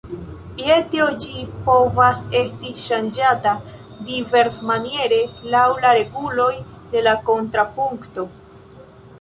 Je tio ĝi povas esti ŝanĝata diversmaniere laŭ la reguloj de la kontrapunkto.